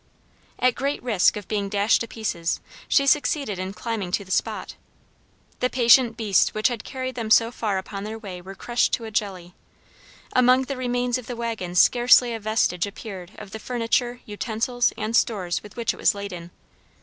At great risk of being dashed to pieces, she succeeded in climbing to the spot. The patient beasts which had carried them so far upon their way were crushed to a jelly; among the remains of the wagon scarcely a vestige appeared of the furniture, utensils, and stores with which it was laden.